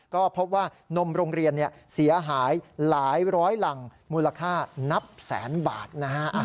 ก็พบว่านมโรงเรียนเสียหายหลายร้อยหลังมูลค่านับแสนบาทนะฮะ